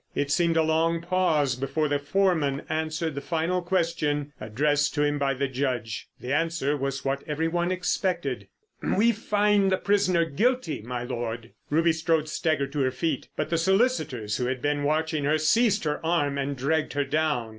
It seemed a long pause before the Foreman answered the final question addressed to him by the Judge. The answer was what every one expected: "We find the prisoner guilty, my Lord." Ruby Strode staggered to her feet; but the solicitors who had been watching her seized her arm and dragged her down.